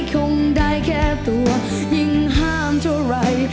คงได้แค่ตัวยิ่งห้ามเท่าไหร่